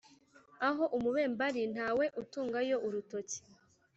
Aho umubembe ali ntawe utungayo urutoki.